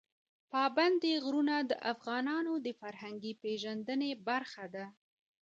پابندی غرونه د افغانانو د فرهنګي پیژندنې برخه ده.